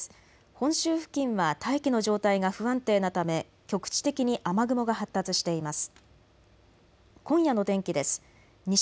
本州付近は大気の状態が不安定なため局地的に雨雲が発達しています。